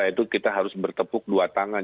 itu kita harus bertepuk dua tangan